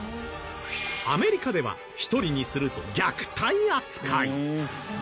アメリカでは１人にすると虐待扱い。